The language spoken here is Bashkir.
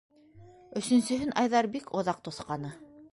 Өсөнсөһөн Айҙар бик оҙаҡ тоҫҡаны.